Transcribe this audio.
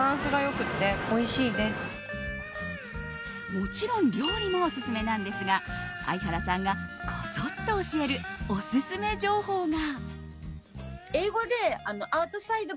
もちろん料理もオススメなんですが相原さんがこそっと教えるオススメ情報が。